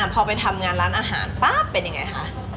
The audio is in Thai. พอไปทำงานร้านอาหารปั๊บเป็นยังไงคะ